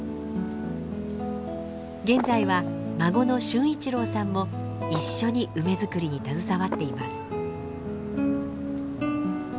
現在は孫の俊一郎さんも一緒に梅作りに携わっています。